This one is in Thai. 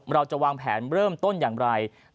เราจะวางแผนเริ่มต้นอย่างไร